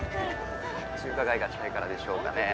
中華街が近いからでしょうかね